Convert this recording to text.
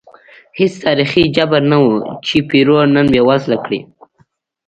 هېڅ تاریخي جبر نه و چې پیرو نن بېوزله کړي.